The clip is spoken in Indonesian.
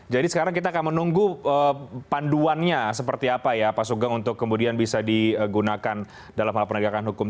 jadi sekarang kita akan menunggu panduannya seperti apa ya pak sugeng untuk kemudian bisa digunakan dalam hal penegakan hukum